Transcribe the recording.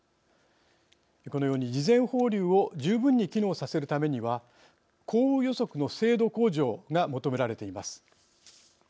このように事前放流を十分に機能させるためには降雨予測の精度向上が求められています。